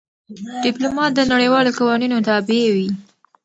ډيپلومات د نړیوالو قوانینو تابع وي.